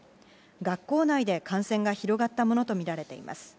学校内で感染が広がったものとみられています。